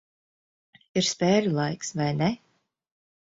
Ir spēļu laiks, vai ne?